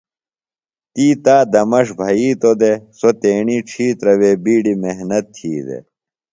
تی تا دمݜ بھیتو دےۡ۔ سوۡ تیݨی ڇھیترہ وے بیڈیۡ محنت تھی دے۔